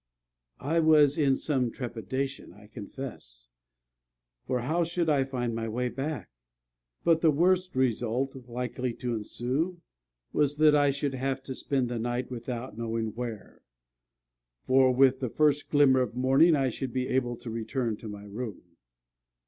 I was in some trepidation, I confess; for how should I find my way back? But the worst result likely to ensue was, that I should have to spend the night without knowing where; for with the first glimmer of morning, I should be able to return to my room.